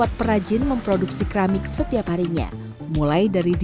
sekitar dua puluh empat perajin memproduksi keramik setiap harinya